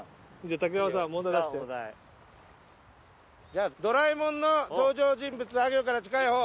ゃあ『ドラえもん』の登場人物あ行から近いほう。